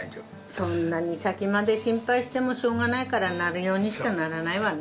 そんなに先まで心配してもしようがないからなるようにしかならないわね。